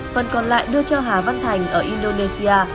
phần còn lại đưa cho hà văn thành ở indonesia